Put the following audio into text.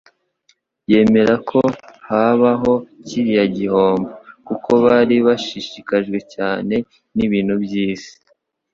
yemera ko habaho kiriya gihombo. Kuko bari bashishikajwe cyane n'ibintu by'isi,